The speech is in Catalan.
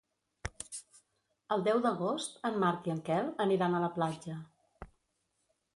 El deu d'agost en Marc i en Quel aniran a la platja.